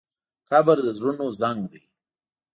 قبر د زړونو زنګ دی.